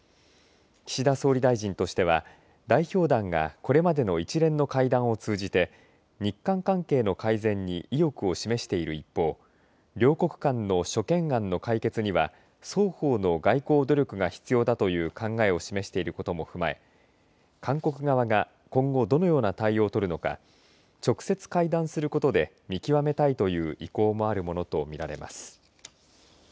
岸田総理大臣としては代表団がこれまでの一連の会談を通じて日韓関係の改善に意欲を示している一方両国間の諸懸案の解決には双方の外交努力が必要だという考えを示していることも踏まえ韓国側が今後どのような対応を取るのか直接会談することで見極めたいという意向もあるものと見られます。